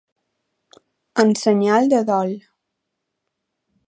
En senyal de dol.